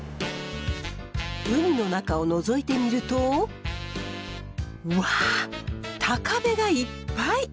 海の中をのぞいてみるとわぁタカベがいっぱい！